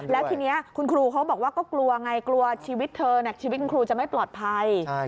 แล้วทีนี้คุณครูเขาบอกว่าก็กลัวไงกลัวชีวิตเธอชีวิตคุณครูจะไม่ปลอดภัย